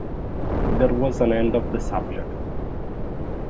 There was an end of the subject.